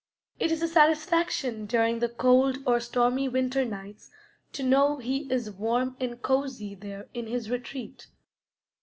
It is a satisfaction during the cold or stormy winter nights to know he is warm and cozy there in his retreat.